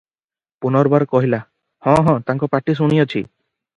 ପୁନର୍ବାର କହିଲା, " ହଁ ହଁ ତାଙ୍କ ପାଟି ଶୁଣିଅଛି ।